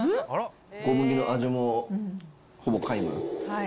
小麦の味も、ほぼ皆無。